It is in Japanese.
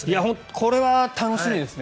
これは楽しみですね。